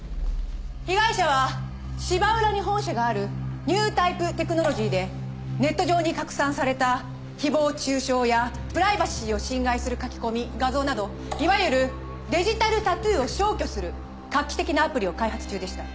被害者は芝浦に本社があるニュータイプテクノロジーでネット上に拡散された誹謗中傷やプライバシーを侵害する書き込み画像などいわゆるデジタルタトゥーを消去する画期的なアプリを開発中でした。